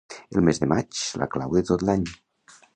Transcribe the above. El mes de maig, la clau de tot l'any.